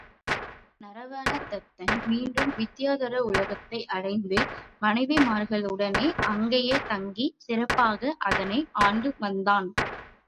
பின்பு நரவாண தத்தன் மீண்டும் வித்தியாதரருலகத்தை அடைந்து மனைவிமார்களுடனே அங்கேயே தங்கிச் சிறப்பாக அதனை ஆண்டு வந்தான்.